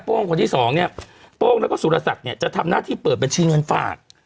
คนที่สองเนี่ยโป้งแล้วก็สุรศักดิ์เนี่ยจะทำหน้าที่เปิดบัญชีเงินฝาก